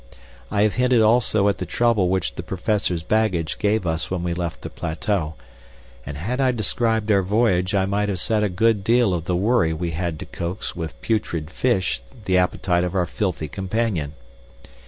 I have hinted also at the trouble which the Professor's baggage gave us when we left the plateau, and had I described our voyage I might have said a good deal of the worry we had to coax with putrid fish the appetite of our filthy companion.